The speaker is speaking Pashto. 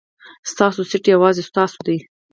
ستاسو سېټ یوازې ستاسو دی.